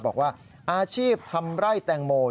บอกว่าอาชีพทำไร่แตงโม